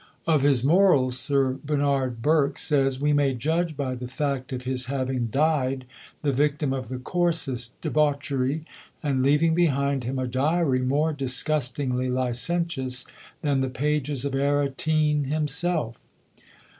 "Of his morals," Sir Bernard Burke says, "we may judge by the fact of his having died the victim of the coarsest debauchery, and leaving behind him a diary more disgustingly licentious than the pages of Aratine himself."